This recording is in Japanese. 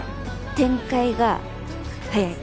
展開が早い。